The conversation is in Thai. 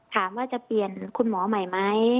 ถามว่าจะเปลี่ยนคุณหมอใหม่ไหม